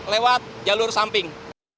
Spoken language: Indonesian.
lewat jalur samping